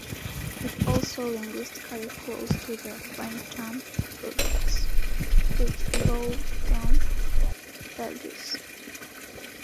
It is also linguistically close to the French term "Bourgeois", which evolved from "burgeis".